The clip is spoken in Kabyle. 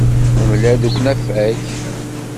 Nemlal deg unafag.